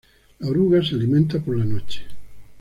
La oruga se alimenta por la noche.